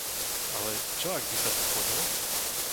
Ale čo ak by sa to splnilo?